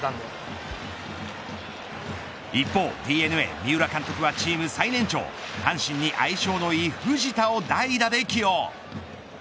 一方、ＤｅＮＡ三浦監督はチーム最年長阪神に相性のいい藤田を代打で起用。